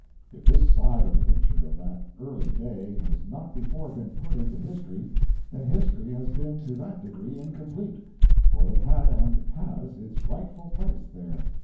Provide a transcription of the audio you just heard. If this side of the picture of that early day has not before been put into history, then history has been to that degree incomplete, for it had and has its rightful place there.